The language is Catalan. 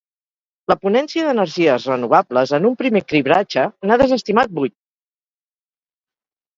La Ponència d'Energies Renovables, en un primer cribratge, n'ha desestimat vuit.